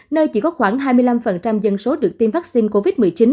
nơi chỉ có khoảng hai mươi năm dân số được tiêm vaccine covid một mươi chín